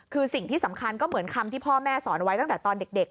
คือสิ่งที่สำคัญก็เหมือนคำที่พ่อแม่สอนไว้ตั้งแต่ตอนเด็ก